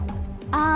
ああ。